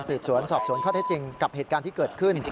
สืบสวนสอบสวนข้อเท็จจริงกับเหตุการณ์ที่เกิดขึ้น